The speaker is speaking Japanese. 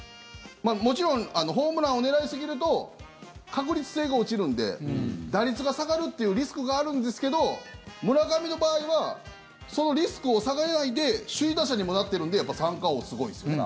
もちろんホームランを狙いすぎると確率性が落ちるんで打率が下がるっていうリスクがあるんですけど村上の場合はそのリスクを下げないで首位打者にもなってるんでやっぱり三冠王すごいですよね。